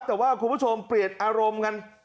แต่ว่าคุณผู้ชมเปลี่ยนอารมณ์กัน